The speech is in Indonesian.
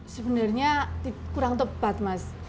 sebenarnya kurang tepat mas